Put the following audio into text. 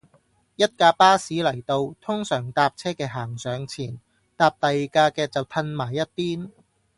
一架巴士嚟到，通常搭車嘅行上前，搭第架嘅就褪埋一邊